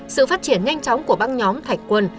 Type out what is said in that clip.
sự phát triển nhanh chóng của băng nhóm thạch quân